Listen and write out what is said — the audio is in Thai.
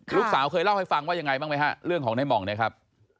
ลูกสาวเคยเล่าให้ฟังว่ายังไงบ้างไหมฮะเรื่องของในหม่องเนี่ยครับ